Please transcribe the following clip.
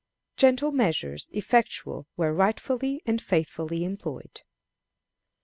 Gentle Measures effectual where Rightfully and Faithfully employed.